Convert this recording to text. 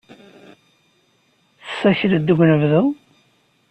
Tessakleḍ deg unebdu?